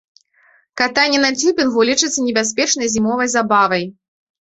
Катанне на цюбінгу лічыцца небяспечнай зімовай забавай.